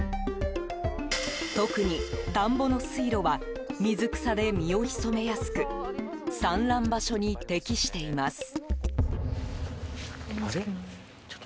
特に田んぼの水路は水草で身を潜めやすく産卵場所に適しています。